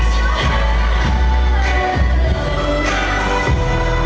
สวัสดีครับ